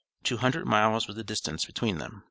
Two hundred miles was the distance between them.